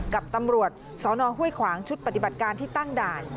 กับตำรวจสนห้วยขวางชุดปฏิบัติการที่ตั้งด่าน